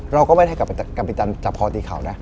เราก็ไม่ได้กรรมิตันจับคอตีเข่านะ